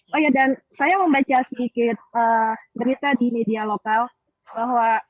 oh ya dan saya membaca sedikit berita di media lokal bahwa